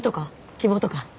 希望とか？